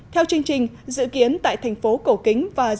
theo chương trình dự kiến tại thành phố cổ kính và giao thông